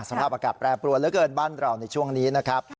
สภาพอากาศแปรปรวนเหลือเกินบ้านเราในช่วงนี้นะครับ